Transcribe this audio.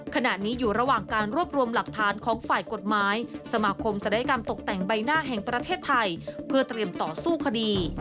ขณะนี้อยู่ระหว่างการรวบรวมหลักฐานของฝ่ายกฎหมายสมาคมศัลยกรรมตกแต่งใบหน้าแห่งประเทศไทยเพื่อเตรียมต่อสู้คดี